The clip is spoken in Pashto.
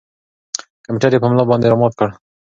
کمپیوټر یې په ملا باندې را مات کړ.